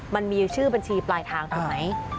มันมีชื่อบัญชีปลายทางถูกไหม